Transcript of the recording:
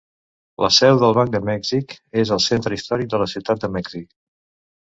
La seu del Banc de Mèxic és al centre històric de la ciutat de Mèxic.